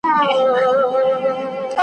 زما یې له محفل سره یوه شپه را لیکلې ده .